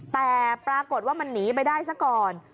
แต่ปรากฏว่ามันหนีไปได้ซะก่อน